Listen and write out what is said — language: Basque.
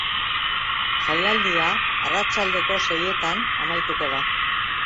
Jaialdia arratsaldeko seietan amaituko da.